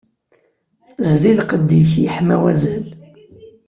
Zdi lqedd-ik yeḥma wazal.